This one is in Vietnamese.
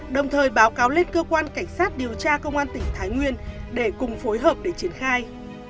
đồng thời báo cáo lên cơ quan cảnh sát điều tra công an tỉnh thái nguyên để cùng phối hợp để triển khai